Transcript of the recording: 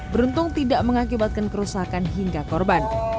beruntung tidak mengakibatkan kerusakan hingga korban